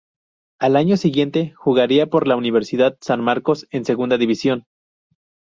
Al año siguiente jugaría por la Universidad San Marcos en Segunda División.